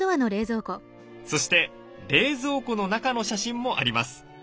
そして冷蔵庫の中の写真もあります。